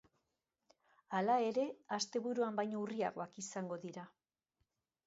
Hala ere, asteburuan baino urriagoak izango dira.